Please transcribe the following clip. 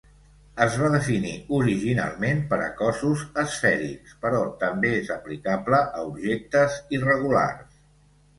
Es va definir originalment per a cossos esfèrics, però també és aplicable a objectes irregulars.